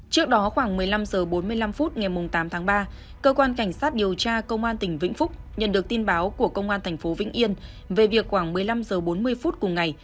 trước đó khoảng một mươi năm h bốn mươi năm phút ngày tám tháng ba cơ quan cảnh sát điều tra công an tỉnh vĩnh phúc nhận được tin báo của công an tp vĩnh yên về việc khoảng một mươi năm h bốn mươi phút cùng ngày